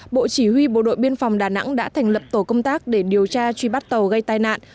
bộ chỉ huy bộ đội biên phòng đà nẵng đã thành lập tổ công tác để điều tra truy bắt tàu gây tai nạn